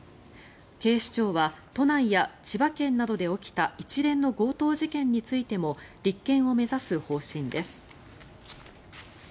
警視庁は都内や千葉県などで起きた一連の強盗事件についても立件を目指す方針です。